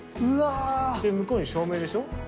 うわあ。で向こうに照明でしょ？